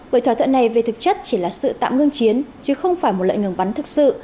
bởi thỏa thuận này về thực chất chỉ là sự tạm ngưng chiến chứ không phải một lệnh ngừng bắn thực sự